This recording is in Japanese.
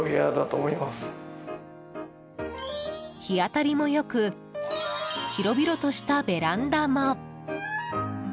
日当たりもよく広々としたベランダも。